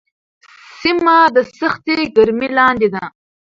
سیمه د سختې ګرمۍ لاندې ده.